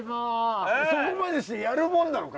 そこまでしてやるもんなのか？